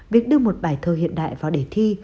việc đưa một bài thơ hiện đại vào đề thi